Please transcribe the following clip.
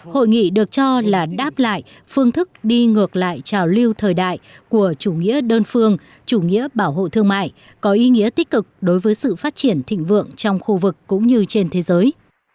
hội nghị được cho là đáp lại phương thức đi ngược lại trào lưu thời đại của chủ nghĩa đơn phương chủ nghĩa bảo hộ thương mại có ý nghĩa tích cực đối với sự phát triển thịnh vượng trong khu vực cũng như trên thế giới